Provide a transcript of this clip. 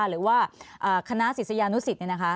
หรือว่าคณะศิษยานุสิต